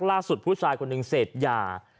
ผู้ชายคนหนึ่งเสพยา